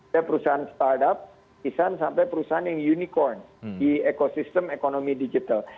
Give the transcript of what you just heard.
ke perusahaan startup kisan sampai perusahaan yang unicorn di ekosistem ekonomi digital